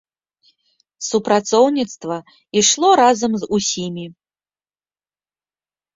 Супрацоўніцтва ішло разам з усімі.